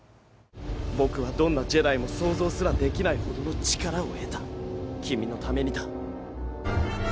僕はどんなジェダイも想像すらできないほどの力を得た君のためにだ